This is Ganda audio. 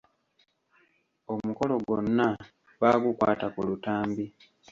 Omukolo gwonna baagukwata ku lutambi.